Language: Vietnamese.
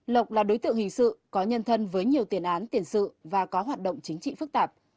lộc là đối tượng hình sự có nhân thân với nhiều tiền án tiền sự và có hoạt động chính trị phức tạp